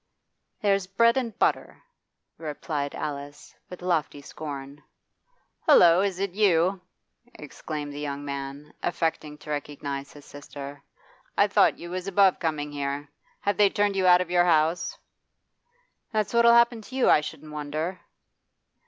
'There's bread and butter,' replied Alice, with lofty scorn. 'Hullo! Is it you?' exclaimed the young man, affecting to recognise his sister. 'I thought you was above coming here Have they turned you out of your house?' 'That's what'll happen to you, I shouldn't wonder.